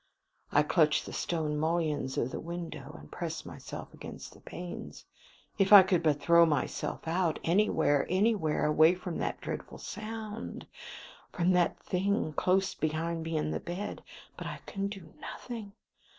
I clutch the stone mullions of the window, and press myself against the panes. If I could but throw myself out! anywhere, anywhere away from that dreadful sound from that thing close behind me in the bed! But I can do nothing.